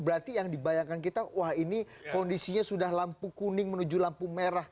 berarti yang dibayangkan kita wah ini kondisinya sudah lampu kuning menuju lampu merah